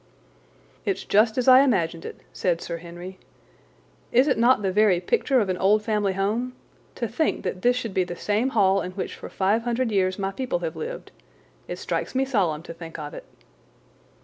"It's just as I imagined it," said Sir Henry. "Is it not the very picture of an old family home? To think that this should be the same hall in which for five hundred years my people have lived. It strikes me solemn to think of it."